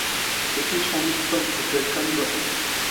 এ কি সমস্ত ভূতের কাণ্ড!